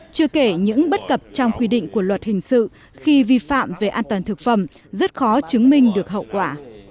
chưa kể những bất cập trong quy định của luật hình sự khi vi phạm về an toàn thực phẩm rất khó chứng minh được hậu quả